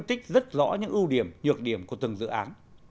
ban chỉ đạo xây dựng trong đó phân tích rất rõ những ưu điểm nhược điểm của từng dự án